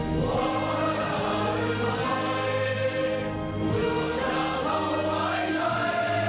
พวกกระจ่าเป็นไทยรู้จักเขาไว้ใจ